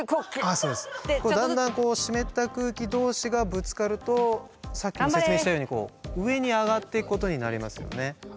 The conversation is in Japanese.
だんだん湿った空気同士がぶつかるとさっきも説明したように上に上がっていくことになりますよね。